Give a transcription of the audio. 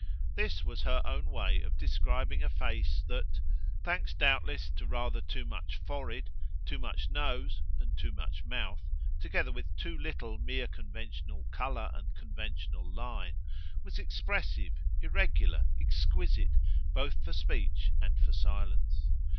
This was her own way of describing a face that, thanks doubtless to rather too much forehead, too much nose and too much mouth, together with too little mere conventional colour and conventional line, was expressive, irregular, exquisite, both for speech and for silence.